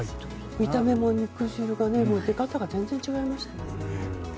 見た目も肉筋の出方が全然違いましたね。